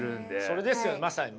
それですよまさにね。